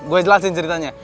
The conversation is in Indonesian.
gua jelasin ceritanya